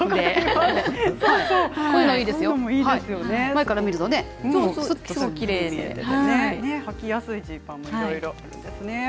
前から見るとちゃんとしていて。はきやすいジーパンもいろいろですね。